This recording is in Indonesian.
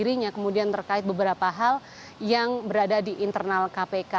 dan kemudian terkait beberapa hal yang berada di internal kpk